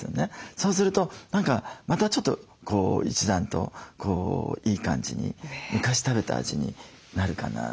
そうすると何かまたちょっと一段といい感じに昔食べた味になるかな。